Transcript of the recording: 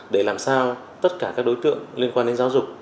để làm sao tất cả các đối tượng liên quan đến giáo dục